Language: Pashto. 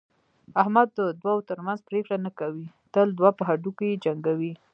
احمد د دوو ترمنځ پرېکړه نه کوي، تل دوه په هډوکي جنګوي.